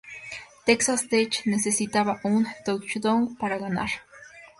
Texas Tech necesitaba un touchdown para ganar.